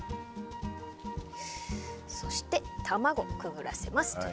そして、卵にくぐらせます。